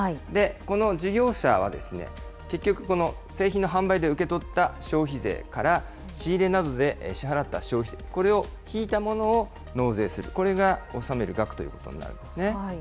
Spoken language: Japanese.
この事業者は結局、この製品の販売で受け取った消費税から、仕入れなどで支払った消費税、これを引いたものを納税する、これが納める額ということになるんですね。